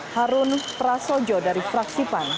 harun prasojo dari fraksi pan